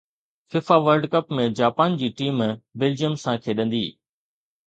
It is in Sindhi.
فيفا ورلڊ ڪپ ۾ جاپان جي ٽيم بيلجيم سان کيڏندي